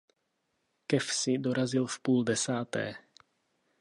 Ke vsi dorazil v půl páté.